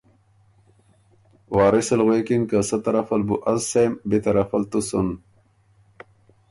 وارث ال غوېکِن که سۀ طرف ال بُو از سېم، بی طرف ال تُو سُن